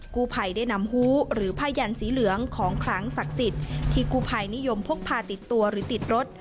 กู้ภัยได้นำฮู้หรือผ้ายันสีเหลืองของขลังศักดิ์สิทธิ์ที่กู้ภัยนิยมพกพาติดตัวหรือติดรถ